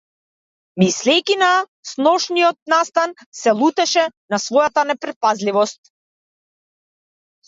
Мислејќи на сношниот настан, се лутеше на својата непретпазливост.